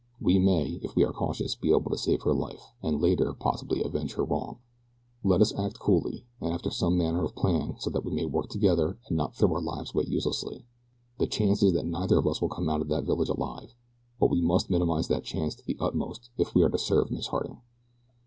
We may, if we are cautious, be able to save her life, and later, possibly, avenge her wrong. Let us act coolly, and after some manner of plan, so that we may work together, and not throw our lives away uselessly. The chance is that neither of us will come out of that village alive, but we must minimize that chance to the utmost if we are to serve Miss Harding."